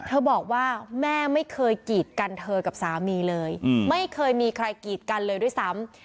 บอกว่าแม่ไม่เคยกีดกันเธอกับสามีเลยไม่เคยมีใครกีดกันเลยด้วยซ้ำ